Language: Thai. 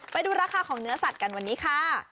ไปดูราคาของเนื้อสัตว์กันวันนี้ค่ะ